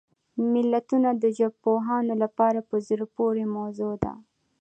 متلونه د ژبپوهانو لپاره په زړه پورې موضوع ده